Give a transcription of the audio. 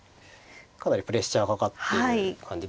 かなりプレッシャーかかってる感じですかね。